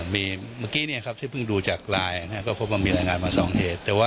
มีเมื่อกี้ที่เพิ่งดูจากไลน์ก็พบว่ามีรายงานมา๒เหตุ